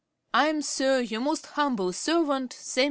'I am, Sir, 'Your most humble servant, 'SAM.